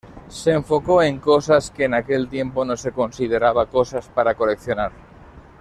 Se enfocó en cosas que en aquel tiempo no se consideraba cosas para coleccionar.